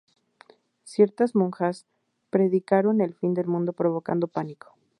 Ciertas monjas predicaron el fin del mundo provocando pánico.